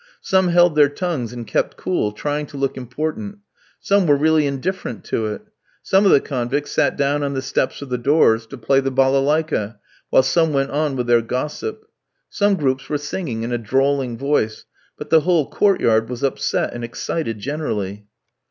Some held their tongues and kept cool, trying to look important; some were really indifferent to it. Some of the convicts sat down on the steps of the doors to play the balalaïka, while some went on with their gossip. Some groups were singing in a drawling voice, but the whole court yard was upset and excited generally.